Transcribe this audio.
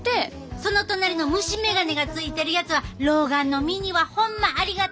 その隣の虫眼鏡がついてるやつは老眼の身にはホンマありがたいわ。